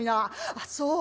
ああそう。